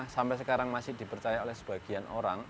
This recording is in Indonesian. sampai sekarang masih dipercaya oleh sebagian orang